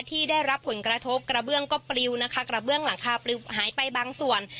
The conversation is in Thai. ที่ได้รับผลกระทบกระเบื้องก็ปลิวนะคะกระเบื้องหลังคาปลิวหายไปบางส่วน